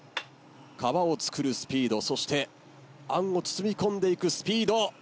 皮を作るスピードそしてあんを包み込んでいくスピード。